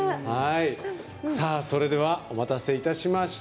それでは、お待たせいたしました。